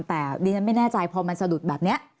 แต่ดีฉันไม่แน่ใจพอมันนัดซะดดแบบเนี้ย